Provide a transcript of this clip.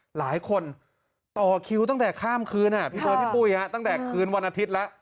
หลายคนต่อคิวตั้งแต่ข้ามคืนตั้งแต่คืนวันอาทิตย์แล้ว